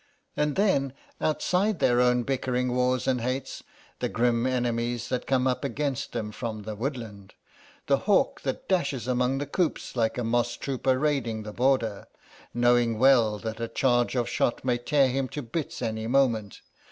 And then, outside their own bickering wars and hates, the grim enemies that come up against them from the woodlands; the hawk that dashes among the coops like a moss trooper raiding the border, knowing well that a charge of shot may tear him to bits at any moment.